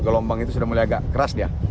dan gelombang itu sudah mulai agak keras dia